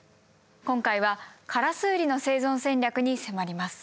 今回はカラスウリの生存戦略に迫ります。